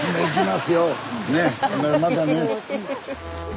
またね。